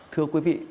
thưa quý vị